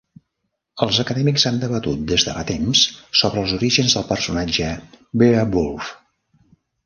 Els acadèmics han debatut des de fa temps sobre els orígens del personatge Beowulf.